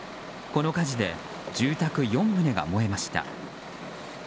この火事で住宅４棟が燃えました。